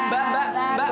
mbak mbak mbak